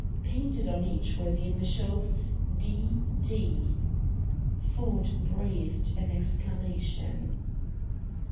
Painted on each were the initials, "D. D." Ford breathed an exclamation.